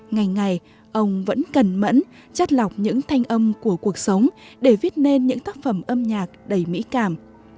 ngày ngày ông vẫn cần mẫn chất lọc những thanh âm của cuộc sống để viết nên những tác phẩm âm nhạc đầy mỹ cảm